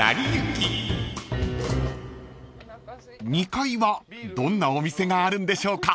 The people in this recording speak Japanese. ［２階はどんなお店があるんでしょうか？］